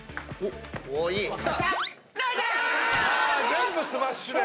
全部スマッシュで。